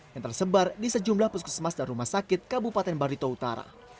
yang tersebar di sejumlah puskesmas dan rumah sakit kabupaten barito utara